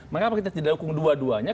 mengapa kita tidak dukung dua duanya